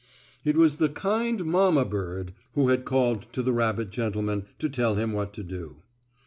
It was the kind mamma bird who had called to the rabbit gentleman to tell him what to do.